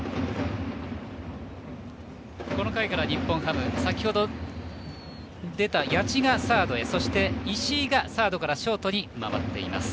この回から日本ハム先ほどから出た谷内がサードで石井がサードからショートに代わっています。